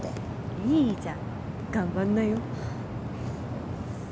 いいじゃん頑張んなよ。